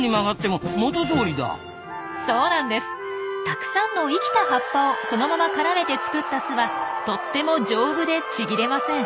たくさんの生きた葉っぱをそのまま絡めて作った巣はとっても丈夫でちぎれません。